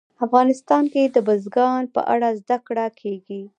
افغانستان کې د بزګان په اړه زده کړه کېږي.